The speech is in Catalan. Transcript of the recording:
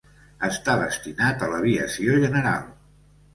Està destinat a l'Aviació General.